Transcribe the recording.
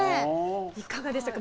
いかがでしたか？